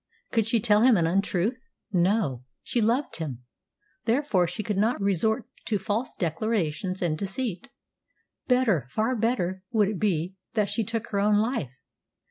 Could she tell him an untruth? No. She loved him, therefore she could not resort to false declarations and deceit. Better far better would it be that she took her own life.